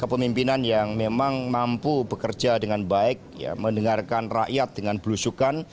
kepemimpinan yang memang mampu bekerja dengan baik mendengarkan rakyat dengan belusukan